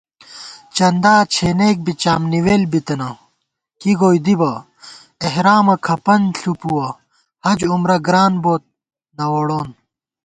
چندا چھېنېک بی چامنِوېل بِتَنہ کی گوئی دِبہ * احرامہ کھپَن ݪُپُوَہ حج عمرہ گران بوت نہ ووڑون